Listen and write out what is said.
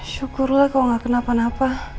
syukurlah kalau gak kena apa apa